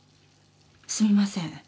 すみません。